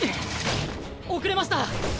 遅れました！